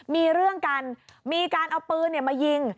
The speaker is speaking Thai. มีเรื่องกันมีการเอาปืนมายิง